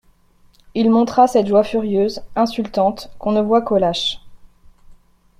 Il montra cette joie furieuse, insultante, qu'on ne voit qu'aux lâches.